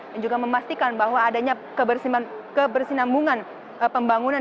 dan juga memastikan bahwa adanya kebersinambungan pembangunan